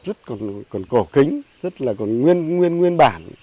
rất còn cổ kính rất là còn nguyên bản